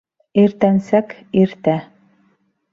Иртәнсәк, иртә